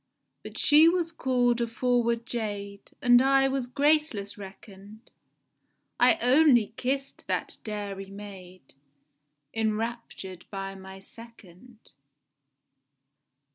But she was call'd a forward jade, And I was graceless reckon'd;— I only kiss'd that dairy maid, Enraptur'd by my second.